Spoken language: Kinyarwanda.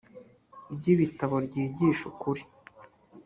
ry ibi bitabo ryigisha ukuri